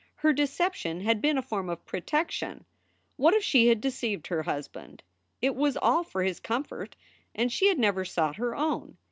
Her deception had been a form of protection. What if she had deceived her husband? it was all for his comfort, and she had never sought her own.